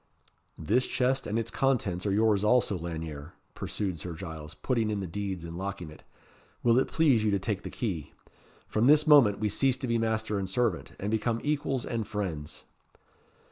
"This chest and its contents are yours also, Lanyere," pursued Sir Giles, putting in the deeds, and locking it. "Will it please you to take the key. From this moment we cease to be master and servant, and become equals and friends!"